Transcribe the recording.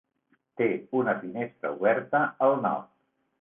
Té una finestra oberta al Nord.